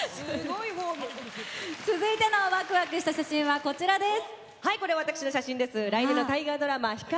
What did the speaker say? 続いてのワクワクした写真です。